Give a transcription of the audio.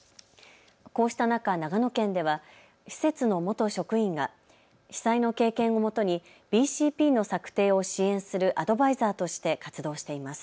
こうした中、長野県では施設の元職員が被災の経験をもとにＢＣＰの策定を支援するアドバイザーとして活動しています。